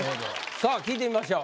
さあ聞いてみましょう。